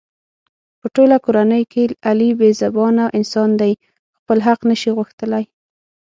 په ټوله کورنۍ کې علي بې زبانه انسان دی. خپل حق نشي غوښتلی.